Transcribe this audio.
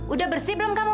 udah bersih belum kamu